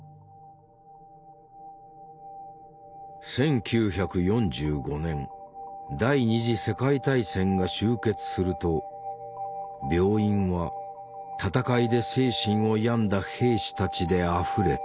１９４５年第二次世界大戦が終結すると病院は戦いで精神を病んだ兵士たちであふれた。